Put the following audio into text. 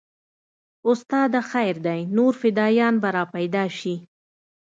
استاده خير دى نور فدايان به راپيدا سي.